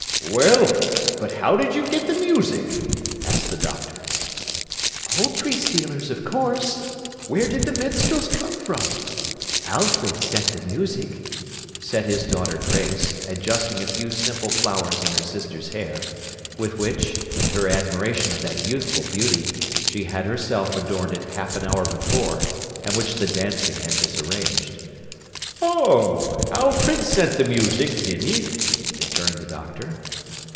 'Well! But how did you get the music?' asked the Doctor. 'Poultry stealers, of course! Where did the minstrels come from?' 'Alfred sent the music,' said his daughter Grace, adjusting a few simple flowers in her sister's hair, with which, in her admiration of that youthful beauty, she had herself adorned it half an hour before, and which the dancing had disarranged. 'Oh! Alfred sent the music, did he?' returned the Doctor.